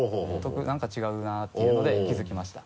「何か違うな」っていうので気付きました。